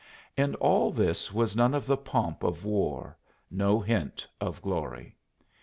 In all this was none of the pomp of war no hint of glory.